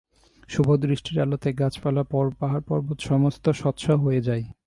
শুভদৃষ্টির আলোতে গাছপালা পাহাড়পর্বত সমস্তই স্বচ্ছ হয়ে যায়।